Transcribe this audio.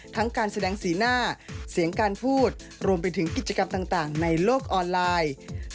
การแสดงสีหน้าเสียงการพูดรวมไปถึงกิจกรรมต่างในโลกออนไลน์